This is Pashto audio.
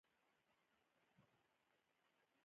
د هاکي ټیمونه ډیر عاید لري.